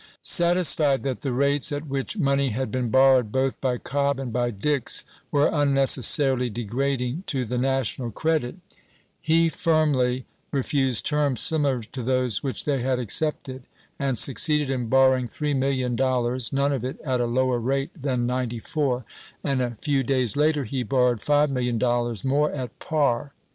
Satisfied that the rates at which money had been borrowed both by Cobb and by Dix were unnecessarily degrading to the national credit, he firmly refused terms similar to those which they had accepted, and succeeded in borrow ing $3,000,000, none of it at a lower rate than ninety four, and a few days later he borrowed $5,000,000 more at par.